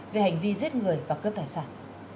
về hành vi giết người và cướp tài sản